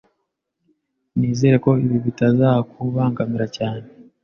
Nizere ko ibi bitazakubangamira cyane.